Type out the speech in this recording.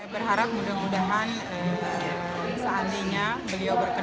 berharap mudah mudahan saat ini beliau berkenan